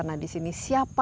ini harusnya ada stupa